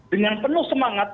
dengan penuh semangat